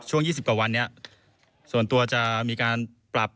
ช่วง๒๐กว่าวันนี้ส่วนตัวจะมีการปรับ